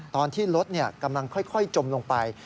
ตอนที่รถกำลังค่อยจมลงไป